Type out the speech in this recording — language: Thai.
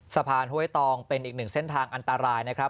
ห้วยตองเป็นอีกหนึ่งเส้นทางอันตรายนะครับ